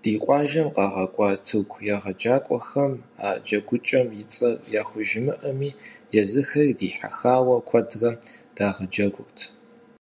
Ди къуажэм къагъэкӀуа тырку егъэджакӀуэхэм а джэгукӏэм и цӀэр яхужымыӏэми, езыхэри дихьэхауэ куэдрэ дагъэджэгурт.